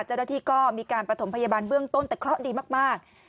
เจ้าหน้าที่ก็มีการประถมพยาบาลเบื้องต้นแต่เคราะห์ดีมาก